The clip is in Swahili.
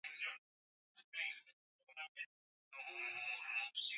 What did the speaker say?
Dalili za wekundu wa mkojo kwa wanyama ni maji mekundu na mkojo damu